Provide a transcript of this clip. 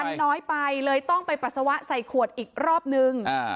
มันน้อยไปเลยต้องไปปัสสาวะใส่ขวดอีกรอบนึง